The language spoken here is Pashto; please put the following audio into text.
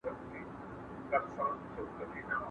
نفوس به له اقتصادي پرمختیا ګټه واخلي.